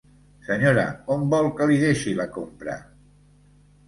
Senyora, on vol que li deixi la compra?